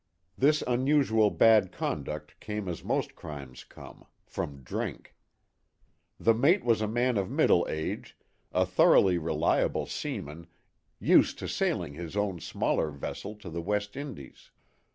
This unusual bad conduct came as most crimes come, from drink. The mate was a man of middle age, a thoroughly reliable seaman used to sailing his own smaller vessel to the West Indies.